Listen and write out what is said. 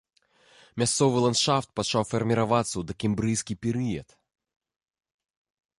Мясцовы ландшафт пачаў фарміравацца ў дакембрыйскі перыяд.